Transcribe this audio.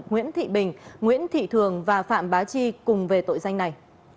nguyễn thị bình nguyễn thị thường và phạm bá chi cùng về tội danh này